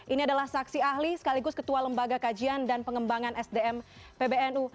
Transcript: ini adalah saksi ahli sekaligus ketua lembaga kajian dan pengembangan sdm pbnu